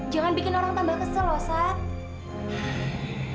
jangan bikin orang tambah kesel loh saat